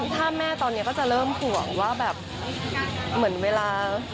ถ้าแม่ตอนนี้ก็จะเริ่มห่วงว่าแบบเหมือนเวลา